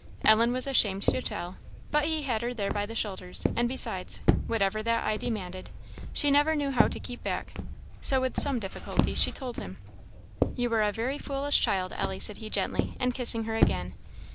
Ellen was ashamed to tell, but he had her there by the shoulders, and besides, whatever that eye demanded, she never knew how to keep back; so with some difficulty she told him. "You are very foolish child, Ellie," said he, gently, and kissing her again.